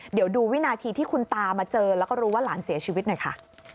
เดี๋ยวดูวินาทีที่คุณตามาเจอแล้วก็รู้ว่าหลานเสียชีวิตหน่อยค่ะ